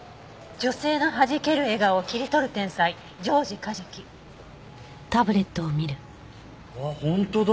「女性の弾ける笑顔を切り取る天才ジョージ梶木」わあ本当だ。